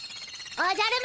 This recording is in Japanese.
おじゃる丸。